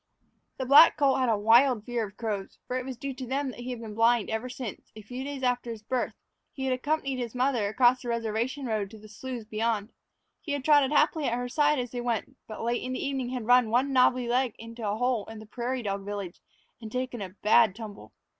The black colt had a wild fear of crows, for it was due to them that he had been blind ever since, a few days after his birth, he had accompanied his mother across the reservation road to the sloughs beyond. He had trotted happily at her side as they went, but late in the evening had run one knobby leg into a hole in the prairie dog village and taken a bad tumble.